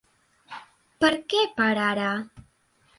Per què parar ara?